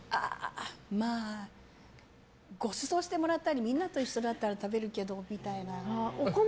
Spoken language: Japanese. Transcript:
まあごちそうしてもらったりみんなと一緒だったら食べるけどみたいな。